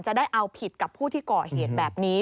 ได้เอาผิดกับผู้ที่ก่อเหตุแบบนี้